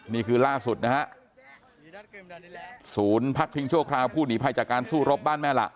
นี่คือล่าสุดนะฮะศูนย์พักพิงชั่วคราวผู้หนีภัยจากการสู้รบบ้านแม่ละ